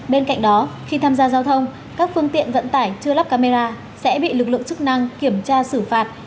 bên cạnh đó khi tham gia giao thông các phương tiện vận tải chưa lắp camera sẽ bị lực lượng chức năng kiểm tra xử phạt